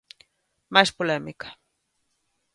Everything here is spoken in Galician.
Máis polémica.